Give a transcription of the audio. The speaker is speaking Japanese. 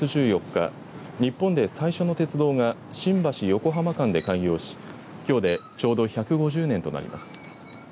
日本で最初の鉄道が新橋、横浜間で開業しきょうでちょうど１５０年となります。